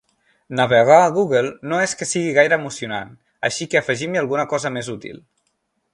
Navegar a Google no és que sigui gaire emocionant, així que afegim-hi alguna cosa més útil.